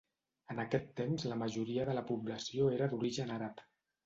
En aquest temps la majoria de la població era d'origen àrab.